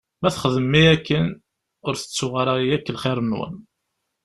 Ma txedmem-iyi akken, ur tettuɣ ara akk lxir-nwen.